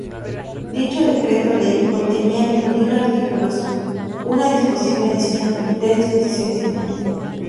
Dicho Decreto-Ley contenía veintiún artículos, una disposición adicional y tres disposiciones finales.